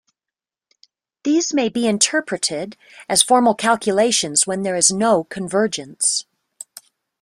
These may be interpreted as formal calculations when there is no convergence.